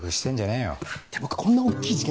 いや僕こんな大っきい事件